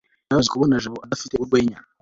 birababaje kubona jabo adafite urwenya